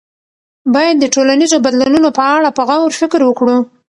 باید د ټولنیزو بدلونونو په اړه په غور فکر وکړو.